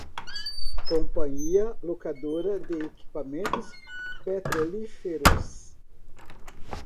Companhia Locadora de Equipamentos Petrolíferos